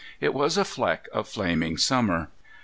It was a fleck of flaming summer.